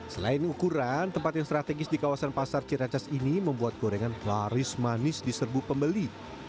selain ukuran tempat yang strategis di kawasan pasar ciracas ini membuat gorengan laris manis di serbu pembeli